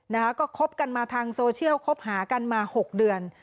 นะคะก็คบกันมาทางโซเชียลคบหากันมาหกเดือน